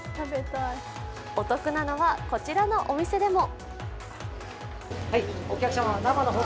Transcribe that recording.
お得なのはこちらのお店でも。